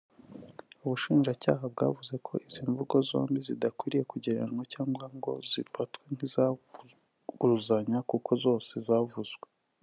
Ubushinjacyaha bwavuze ko izi mvugo zombi zidakwiye kugereranywa cyangwa ngo ngo zifatwe nk’izivuguruzanya kuko zose zavuzwe